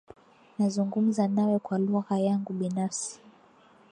Nazungumza nawe kwa lugha yangu binafsi.